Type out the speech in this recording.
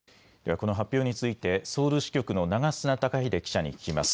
この発表についてソウル支局の長砂貴英記者に聞きます。